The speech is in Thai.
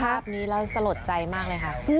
สภาพนี้เราสะโหลดใจมากเลยค่ะ